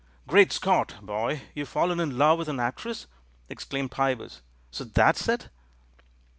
"Great Scott, boy, you've fallen in love with an actress!" exclaimed Pybus. "So that's it?"